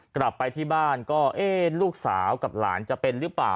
กลับไปที่บ้านก็เอ๊ะลูกสาวกับหลานจะเป็นหรือเปล่า